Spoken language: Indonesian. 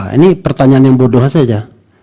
ini pertanyaan yang bodoh saja